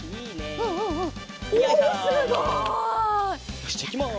よしいきます！